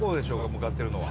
向かってるのは。